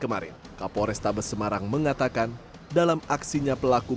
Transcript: kemudian setelah dimasukkan ke mesin atm